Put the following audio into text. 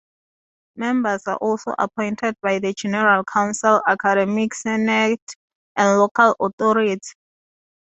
Members are also appointed by the general council, academic senate and local authority.